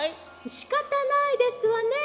「しかたないですわね。